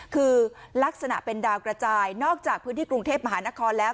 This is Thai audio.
คือลักษณะเป็นดาวกระจายนอกจากพื้นที่กรุงเทพมหานครแล้ว